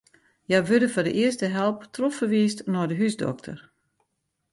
Hja wurde foar de earste help trochferwiisd nei de húsdokter.